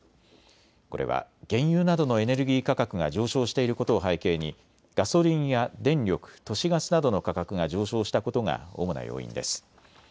これは原油などのエネルギー価格が上昇していることを背景にガソリンや電力、都市ガスなどの価格が上昇したことが主な要因です。